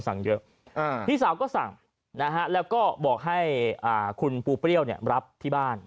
สั่งเยอะพี่สาวก็สั่งนะฮะแล้วก็บอกให้คุณปูเปรี้ยวรับที่บ้าน